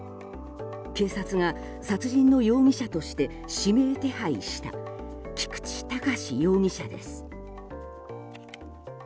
警察が、殺人の容疑者として指名手配した菊池隆容疑者です。